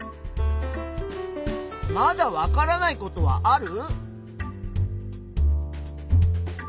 まだわからないことはある？